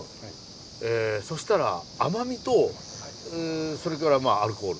そしたら甘みとそれからアルコール。